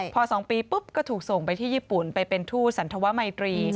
พอ๒ปีปุ๊บก็ถูกส่งไปที่ญี่ปุ่นไปเป็นทู่สันธวมัยตรี